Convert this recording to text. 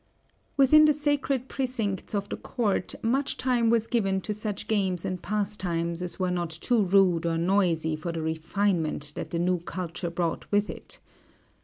Within the sacred precincts of the court, much time was given to such games and pastimes as were not too rude or noisy for the refinement that the new culture brought with it.